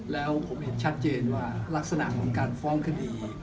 แล้วผมเห็นชัดเจนว่ารักษณะของการฟ้องคดี